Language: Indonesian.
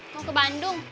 mau ke bandung